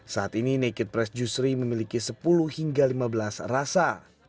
saat ini naked press juicery memiliki sepuluh hingga lima belas rasa